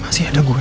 masih ada gue